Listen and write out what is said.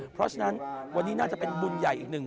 เพราะฉะนั้นวันนี้น่าจะเป็นบุญใหญ่อีกหนึ่ง